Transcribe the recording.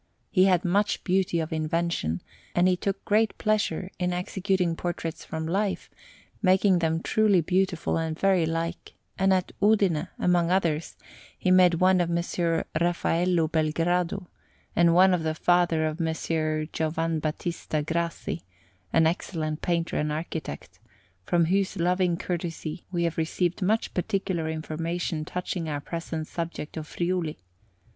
He had much beauty of invention, and he took great pleasure in executing portraits from life, making them truly beautiful and very like; and at Udine, among others, he made one of Messer Raffaello Belgrado, and one of the father of M. Giovan Battista Grassi, an excellent painter and architect, from whose loving courtesy we have received much particular information touching our present subject of Friuli.